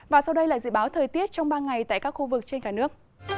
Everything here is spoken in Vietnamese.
và sau đây là dự báo thời tiết trong ba ngày tại các khu vực trên cả nước